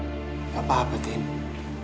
gak apa apa tini